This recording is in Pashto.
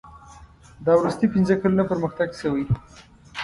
دا وروستي پنځه کلونه پرمختګ شوی.